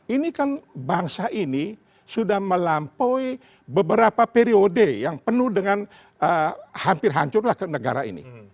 ini kan bangsa ini sudah melampaui beberapa periode yang penuh dengan hampir hancurlah negara ini